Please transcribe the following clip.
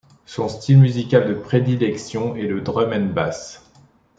Son style musical de prédilection est le drum and bass.